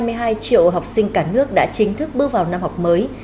như vậy là hơn hai mươi hai triệu học sinh cả nước đã chính thức bước vào năm học mới